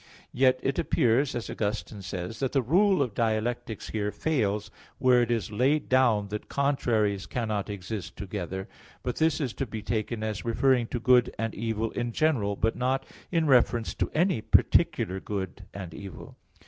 Yet, it appears, as Augustine says (Enchiridion 13), that the rule of dialectics here fails, where it is laid down that contraries cannot exist together. But this is to be taken as referring to good and evil in general, but not in reference to any particular good and evil.